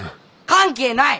関係ない！